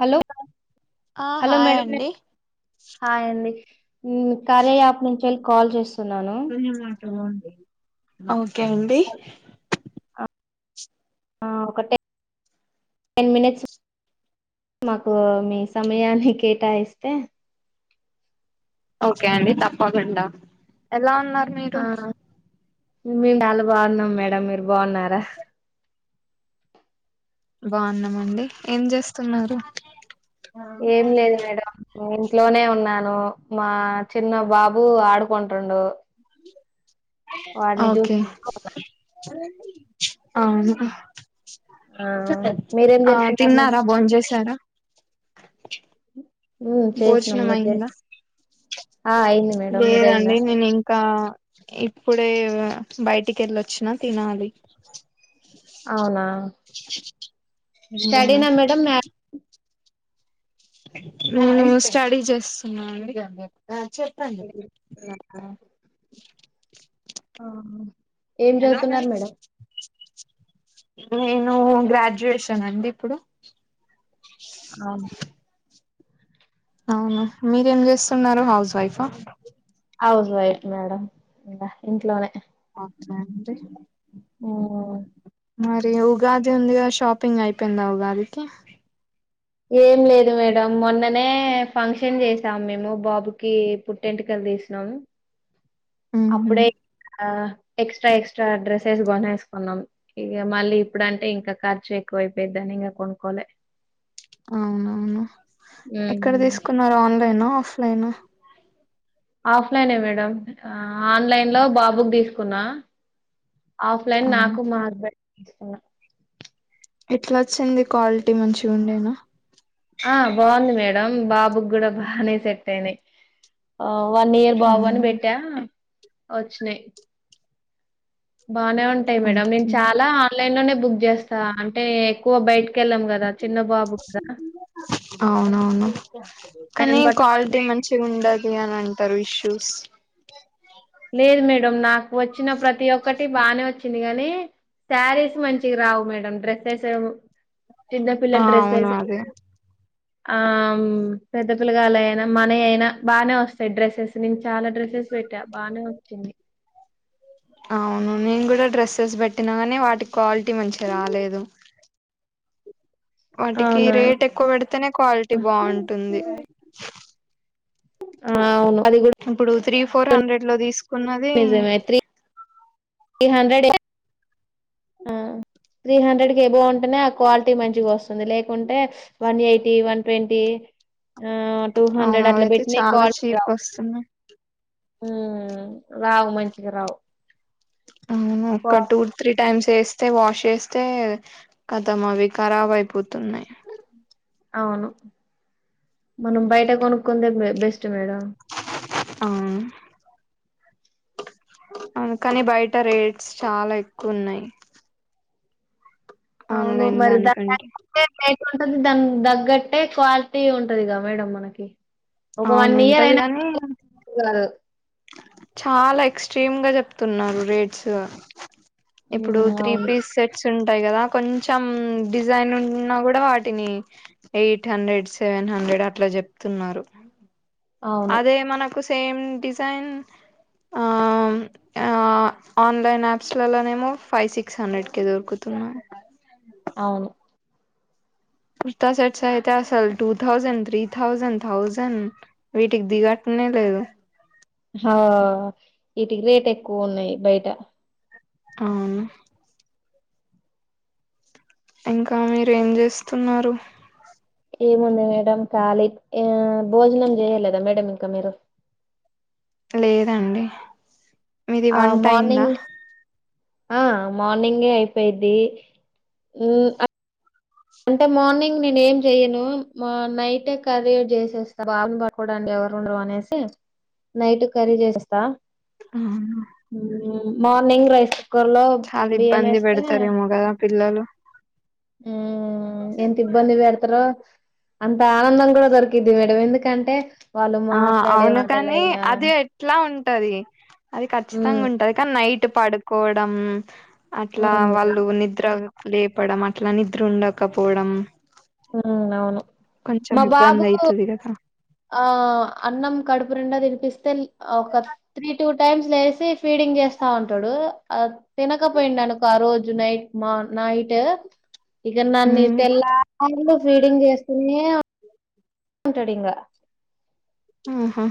Hello ఆ hello hi madam అండి హ్మ్ కార్య యాప్ నుంచెల్ కాల్ చేస్ సున్నాను హలొండి అవు కేండి ఆ ఒక టెన్ టెన్ మినిట్స్ మాకు మీ సమయానికే ఠా ఇస్తే ఓకే అండి తప్పగుండా ఎలా ఉ ఉన్నారు మీటు మీమ్ డాలు బాగున్నాం మేడం మి బావున్నార బావున్నమండి ఏం చేస్తున్నారు ఏం లేదు మేడ ఇంట్లోనే ఉన్నాను మా చిన్న బాబు ఆడుకొంటుండు ఓకే ఉన్నా అవును ఆ మీరేం ఆ చేస్తున్నారు మేడం తిన్నారా బోంచేసారా మ్ చేసినాం భోజనం మీరు అయిందా చేసి ఆ అయింది మేడం మీదయిందా లేదండి నేను ఇంకా ఇప్పుడే బైటికి వెళ్ళొచ్చినా తినాలి అవునా స్టడీ నా మేడం మ్యాక్ ఊ స్టడీ చేస్తుఅండి మ్యారేజ్ ఇ ఆ ఏం జదువుతున్నారు మేడం నేను గ్రాడ్యుయేషన్ అండి ఇప్పుడు ఆ అవును మీరేం జేస్తున్నరు హౌస్ వైఫా హౌస్ వైఫ్ మేడం ఇంట్లోనే అీ ఓ మరి ఉగాది ఉందిగా షాపింగ్ అయిపోయిందా ఉగాదికి ఏం లేదు మేడం మొన్ననే ఫంక్షన్ చేసాం మేము బాబుకి పుట్టెంటకలు తీసినాము ఉహు అప్పుడే ఆ ఎక్స్ట్రా ఎక్స్ట్రా డ్రెస్సెస్ కొనేసుకున్నాం ఇక మళ్ళీ ఇప్పుడుంటే ఇంకా ఖర్చు ఎక్కువైపోయిదిని ఇంకా కొనుక్కోలే అవునవును ఎక్కడ మ్మ్ తీసుకున్న ఆన్లైన్ ఫలైనా ఆఫ్లైనే మేడం ఆన్లైన్ లో బాబుకి తీసుకున్నా ఆఫ్లైన్ అవును నాకు మార్బ ఆ ఎట్లా వచ్చింది క్వాలిటీ మంచి ఉండేనా ఆ బాగుంది మేడం బాబుకి కూడా బాగానే సెట్ అయినాయి వన్ ఇయర్ బాబు అని అవును పెట్టా వచ్చినాయి బానే ఉంటాయి మేడ నేను ఓకే చాలా ఆన్లైన్ లోనే బుక్ చేస్తా అంటే ఎక్కువ బయట అవునవును కానీ ఆయనను పట్టుకొని క్వాలిటీ బయట మంచి ఉండదు అనింటే తారు ఇష్యూస్ లేదు మేడం నాకు వచ్చిన ప్రతి ఒక్క బాగానే వచ్చింది కాగాని శారీస్ మంచి రావు మేడం డ్రెస్సెస్ చిన్న ఆ పిల్లల అవును డ్రెస్సెస్ అదే ఆ పెద్ద పిల్లగాలు అయినా మన అయినా బానే వస్తాయి డ్రెస్సెస్ నేను చాలా డ్రెస్సెస్ పెట్టా బానే వచ్చింది అవును నేను కూడా డ్రెస్సెస్ పెట్టినా కానీ వాటికి క్వాలిటీ మంచి రాలేదు వాటికి అవునా రేట్ ఎక్కువ పెడితేనే క్వాలిటీ బాగుంటుంది ఆ అవును అది కూడా ఇప్పుడు త్రీ ఫోర్ హండ్రెడ్ లో తీసుకున్నది నిజమే త్రీ త్రీ హండ్రెడ్ ఆ త్రీ హండ్రెడ్ క ఏ బాగుంటేనే ఆ క్వాలిటీ మంచిగా వస్తుంది లేకుంటే వన్ ఎయిటీ వన్ ట్వంటీ ఆ టూ అవును హండ్రెడ్ అట్లా అవయితే పెట్టిన చాలా కాల్ చీప్ అవు వస్తున్నాయి ఉ రావు మంచిగా రావు అను క్వా ఒక్క టూ త్రీ టైమ్స్ చేస్తే వాష్ చేస్తే కతం అవి రాబ్ అయిపోతున్నాయి అవును మనం బయట కొనుక్కుంద బెస్ట్ మేడం అవును అవును కానీ బయట రేట్స్ చాలా ఎక్కువ ఉన్నాయి అవును ఆన్లైన్ మరిదా దా దానికంటే దా ఏ ఏ ఉంటుంది దాని తగ్గట్టే క్వాలిటీ ఉంటుందిగా మేడం మనకి ఒక అవును వన్ ఇయర్ ఉంటది అయినా కానీ గా గాదు చాలా ఎక్స్ట్రీమ్ గా చెప్తున్నారు రేట్స్సు ఇప్పుడు ఉమ్ త్రీ అవును పీస్ సెట్స్ ఉం ఉంటాయి కదా కొంచెం డిజైన్ నున్నా కూడా వాటిని ఎయిట్ హండ్రెడ్ సెవెన్ హండ్రెడ్ అట్లా చొప్తున్నారు అవును అదే మనకుస్ సేమ్ డిజ్ ైన్ ఆ ఆ ఆన్లైన్ యాప్స్లలోనేమో ఫైవ్ సిక్స్ హండ్రెడ్ కి దొరుకుతున్నా ఔను కుర్తా సెట్స్ అయితే అసలు two thousand three thousand thousand వీటికి దిగాట్నే లేదు ఆ వీటికి రేట్ ఎక్కువ ఉన్నాయి బయటా ఔను ఇంకా మీరేం చేస్తున్నారు ఏముంది మేడం ఖాలీ ఏ భోజనం చేయలేదా మేడం ఇంకా మీరు లేదండి మీది ఆ వంట అయ్యిందా మార్నింగ్ ఆ మార్నింగే అయిపోయిద్ది ఏ ఆ అంటే మార్నింగ్ నేను ఏం చెయ్యను మా నైటే కర్రీ చేసేస్తా బాబు పట్టకోడనికి ఎవరు ఉండరు అనేసి నైట్ కర్రీ చేసెస్తా అవును. ము.... ఊ మార్నింగ్ రైస్ కుక్కర్ లో బియ్యం ఏస్తే పిల్లాలు హ ఎంత ఇబ్బందిగా ఆడుతారో అంత ఆనందం కూడా దొరికిద్ది కదా ఎందుకంటే వాళ్ళు ఆ మాట్లాడే అవును కాని మాటలైనా అది ఎట్లా ఉంటాది అది ఖచ్చితంగా మ్మ్ ఉంటది కానీ నైట్ ఇట్ పడుకోడం అట్లా మ్మ్ వాళ్ళు నిద్ర లేపడం అట్లా నిద్ర ఉండకపోడం ఔను అవును మా బాబు ఇబ్బంది అయితది కదా ఆ అన్నం కడుపు నిెండా తినిపిస్తే ఒక త్రీ టూ టైమ్స్ లేసి ఫీడింగ్ చేస్తా ఉంటాడు ఆ తినకపోయిండు అనుకో ఆ రోజు నైట్ మర్ నైటు ఇక నన్ని ఉమ్ తేర్ల హ్యాండ్ లో ఫీడింగ్ చేస్కొని ఏవ్ అంటడంగ ఆహా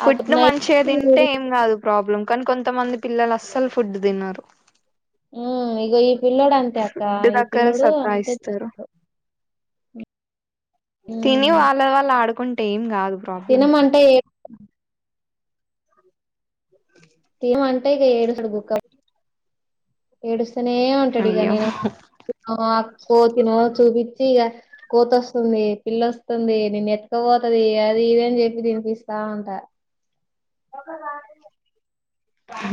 ఫుడ్ మంచిగా తింటే ఫీడింగ్ ఏం కాదు ప్రాబ్లమ్ కానీ కొంతమంది పిల్లలు అస్సలు ఫుడ్ తిన్నారు ఇగ ఈ పిల్ల్లోడు అంతే అక్క ఈ దగ్గర పిల్ల్లోడు అంతే సతాయిస్తారు చేస్తాడు తిని వాళ్ళ వాళ్ళు ఆడుకుంట టైం కాదు ప్రాబ్లం తినమ అంటే అ ఏ అంటాయి క ఏడు సడుగుక్క ఏడు అసనే ఏమంటాడు ఇక అయ్యో నేను అపో తినో చూపిించ గా కోత వస్తుంది పిల్లొస్తుంది నేను ఎతుకపోతుది అది ఇద అని చెప్పి తినిపిస్తాంట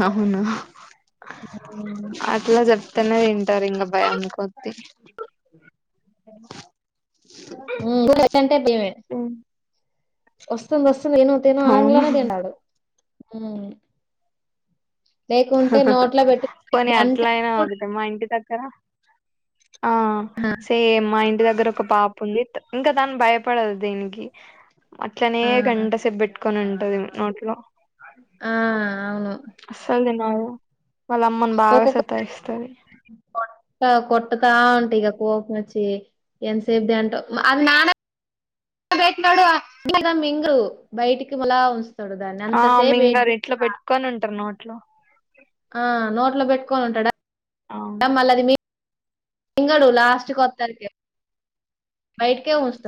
అవునా ఉమ్. అట్లా చెప్తేనే తింటారు ఇంకా భయం కొద్ద్దీ ంటమే వస్తుంది వస్తు ే తేన అవును అననే తేండాడు అవు లేకుంటే నోట్లో పెట్టుకు గంట క్క ఆ ఆ సేమ్మా ఇ దగ్గర ఒక పాపు ఉంది ఇంకా దాన్ని భయపడదు దీనికి అట్లనే ఆ గంట సబ్ పెట్టుకొని ఉంటది నోట్లో ఆ అవును నా ఒక్కొక్క కొట్టతా అంటే ఇక కోపం నచ్చి ఎంతసేపుదిే అంట అ నాన్న పెట్టిడుదా మింగరు బయటికి మళ ఆ మీంగారు ఇట్లా పెట్టుకొని ఉంటారు నో లా ఆ నోట్లో పెట్టుకొని ఉంటాడా అవును మళ్ళది మీ తంగ లాస్ట్ కొత్తరికే బైటకిస్త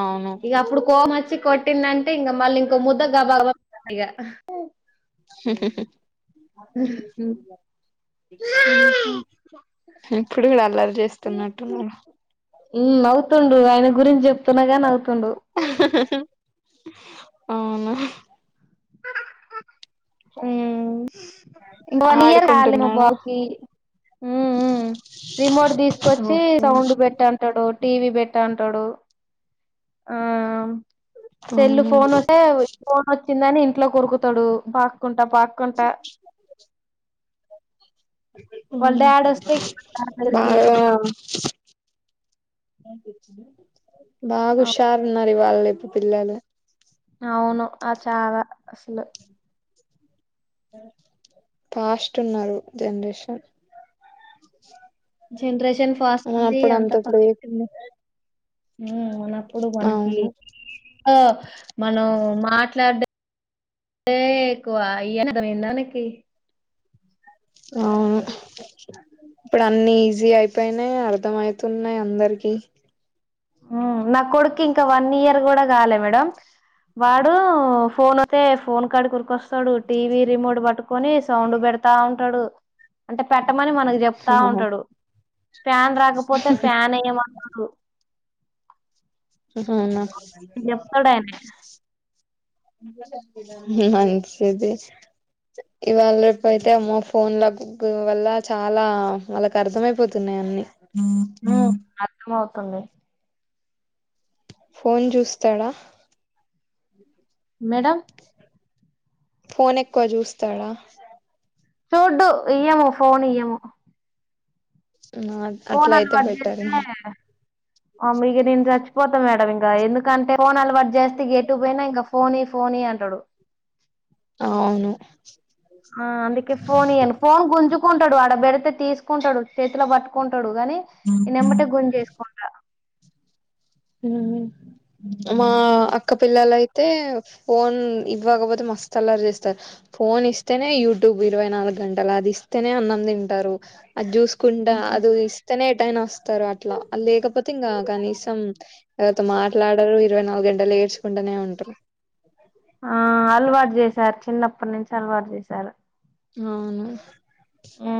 అవును ఇక అప్పుడు కోపం వచ్చి కొట్టిందంటే ఇంకా మళ్ళీ ఇంకో ముద్ద గబా గబా ఇగ ఊ హ్ ఇప్పుడు కూడా ఆ బలి చేస్తున్నట్టు ఉన్నారు ఉ అవు నవ్వుతుండు ఆయన గురించి చెప్తున్నాగా నవ్వుతుండు అవునా ఊ వన్ ఇయర్ కాలే మా ఆడుకుంటున్నాడా బాబు కి ఊ ఊ రిమోట్ తీసుకొచ్చి సౌండ్ పెట్టు అంటాడు టీవీ పెట్టా అంటాడు ఆ సెల్ అవును ఫోన్ వస్తే ఫోన్ వచ్చిందని వే ఇంకా కొరుకుతాడు పాక్కుంటా పాక్కుంటా ఊ వాళ్ళ డాడీ వస్తే బాగా ఏం తెచ్చిన బాగా హుషారు ఉన్నారు వాళ్ళు పిల్లలు అవును ఆ చాలా అసలు ఫాస్ట్ ఉన్నారు జనరేషన్ జనరేషన్ ఫాస్ట్ ఆ అప్పుడు అంత లేకుండే ఊ ఉన్నప్పుడు వాళ్ళకి అవును ఆ మనం మాట్లాడుతే ఎక్కువ అర్థమైందా ఆయనకి అవును ఇప్పుడు అన్ని ఈజీ ఐపోయినయ్ అర్థం అయితున్నాయి అందరికి ఊ నా కొడుకు ఇంకా వన్ ఇయర్ కూడా కాలే మేడమ్ వాడు ఫోన్ వస్తే ఫోన్ కాడి కి ఊరికోస్తాడు డు టీవీ రిమోట్ పట్టు కొని సౌండ్ పెడతా ఉంటాడు అంటే పె ట్టమని మనకు చెప్తా ఉంటాడు ఫ్యాన్ రాకపోతే ఫ్యాన్ వేయమంటాడు హ అవునా చెప్తాడు ఆయనే మంచిది ఇవాళ రేపు అయితే అమ్మ ఫోన్ ల బుక్ వల్ల చాలా వాళ్ళకు అర్థమయిపోతున్నాయి అన్నిీ ఊ అర్ధం అవ్ తుంది ఫోన్ చూస్తాడా మేడమ్ ఫోన్ ఎక్కువ చూస్తాడా చూడ్డు ఇయ్యము ఫోన్ ఇయ్యము అట్లా పోన్లు అయితే అలవాటు బెటర్ చేస్తే ఇక నేను చచ్చిపోతాను మేడం ఇంకా ఎందుకంటే ఫోన్ అలవాటు చేస్తే ఎట్టు పోయినా ఇంకా ఫోన్ ఈ ఫోన్ ఈ అంటాడు అవును ఆ అందుకే ఫోన్ ఈయను ఫోన్ గుంజు కుంటాడు ఆడబెడతే తీసుకుంటాడు చేతిలో పట్టుకుంటాడు డు కాని నెంమటే గుంజ చేసుకుంట హు మా ఉమ్, అక్కపిిల్లలయితే తే ఫోన్ ఇవ్వకపోతే మస్తు అల్లారి చేస్తారు ఫోన్ ఇస్తేనే యూట్యూబ్ ఇరవై నాలుగు గంటలు అది ఇస్తేనే అన్నం తింటారు అది జ్యూస్ కుంటా ఉమ్. అది ఇస్తనే అట్టైనా వస్తారు అట్లా లేకపోతే ఇంగా కనీసం ఎవరితో మాట్లాడరు ఇరవై నాలుగు గంటలు ఏడ్చుకుంటనే ఉంటారు ఆ అలవాటు చేసారు చిన్నప్పటి నుంచి అలవాటు చేసారు అవును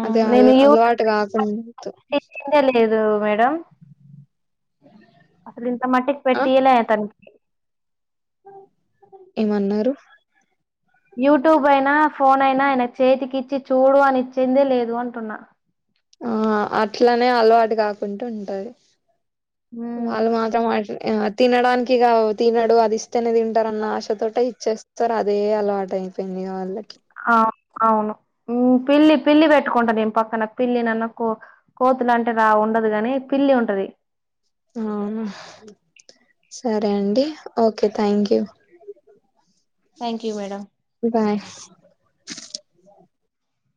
అదే అ నేను యూట్యూబ్ అలవాటు కాకూడదు తెచ్చిందే లేదు మేడం అసలు ఇంత మట్టికి ఆ పెఠయలాయ తనకి ఏమన్నారు యూట్యూబ్ అయినా ఫోన్ అయినా ఆయన చేతికి ఇచ్చి చూడు అని ఇచ్చిందే లేదు అంటున్నా ఆ అట్లనే అలవాటు కాకుంటూ ఉంటది హ్మ్. వాళ్ళ మాత్ర మా తినడానికి కా తినడు అది ఇస్తేనే తింటారున్న ఆశతోోట ఇచ్చేస్తారు అదే అలవాట అయిపోయింది వాళ్ళకి ఆ అవును పిల్లి పిల్లి పెట్టుకుంటాది నేను పక్కన పిల్లి నన్న కో కోతులు అంటే రా ఉండదు కాగాని పిల్లి ఉంటది అవునా సరే అండి okay thank you thank you madam bye